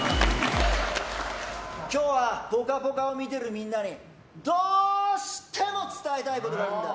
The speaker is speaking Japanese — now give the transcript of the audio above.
今日は「ぽかぽか」を見てるみんなにどうしても伝えたいことがあるんだ。